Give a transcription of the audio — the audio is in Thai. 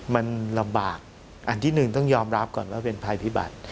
มันลำบากอันที่หนึ่งต้องยอมรับก่อนว่าเป็นภัยพิบัติ